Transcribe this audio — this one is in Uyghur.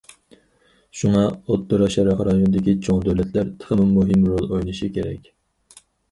شۇڭا ئوتتۇرا شەرق رايونىدىكى چوڭ دۆلەتلەر تېخىمۇ مۇھىم رول ئوينىشى كېرەك.